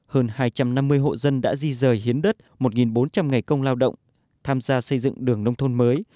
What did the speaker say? hơn hai trăm năm mươi hộ dân đã di rời hiến đất một bốn trăm linh ngày công lao động tham gia xây dựng đường nông thôn mới